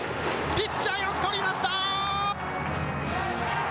ピッチャー、よく捕りました。